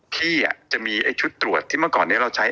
พี่จะมีชุดตรวจที่เมื่อก่อนเนี้ย